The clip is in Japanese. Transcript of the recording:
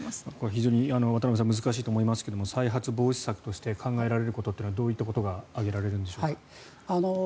非常に渡部さん難しいと思いますが再発防止策として考えられることはどういったことが挙げられるんでしょうか。